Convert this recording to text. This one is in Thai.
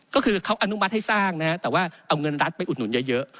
ก็คือเขาอนุมัติให้สร้างนะฮะแต่ว่าเอาเงินรัฐไปอุดหนุนเยอะ